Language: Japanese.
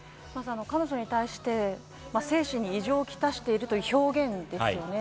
彼女に対して精神に異常をきたしているという表現ですよね。